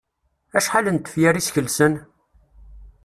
Acḥal n tefyar i skelsen?